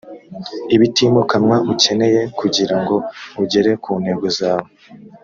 ibitimukanwa ukeneye kugira ngo ugere ku ntego zawo